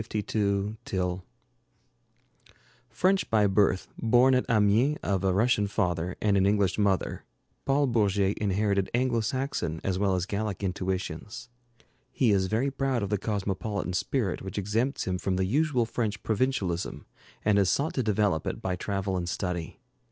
PAUL BOURGET (1852 ) French by birth, born at Amiens of a Russian father and an English mother, Paul Bourget inherited Anglo Saxon as well as Gallic intuitions. He is very proud of the cosmopolitan spirit which exempts him from the usual French provincialism, and has sought to develop it by travel and study.